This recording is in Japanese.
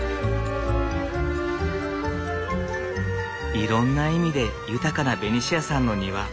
いろんな意味で豊かなベニシアさんの庭。